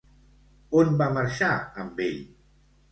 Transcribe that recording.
On va marxar amb ell?